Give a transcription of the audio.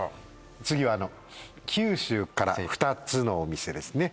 次はあの九州から２つのお店ですね